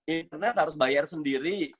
internet harus bayar sendiri